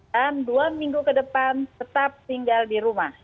dan dua minggu ke depan tetap tinggal di rumah